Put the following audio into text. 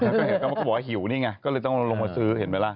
วีเบิ้ลอยู่นี่ไงก็เลยต้องรับฟะซื้อเห็นไหมละ